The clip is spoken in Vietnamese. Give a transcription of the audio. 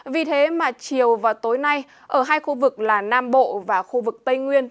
vì thế mà chiều và tối nay ở hai khu vực là nam bộ và khu vực tây nguyên